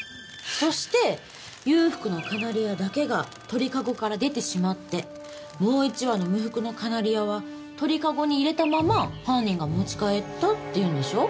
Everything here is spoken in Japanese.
そして有覆のカナリアだけが鳥籠から出てしまってもう１羽の無覆のカナリアは鳥籠に入れたまま犯人が持ち帰ったって言うんでしょ？